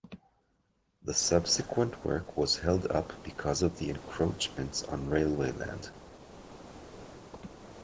The subsequent work was held up because of the encroachments on railway land.